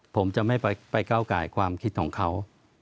ผมจะไม่ไปก้าวไก่ความคิดของเขา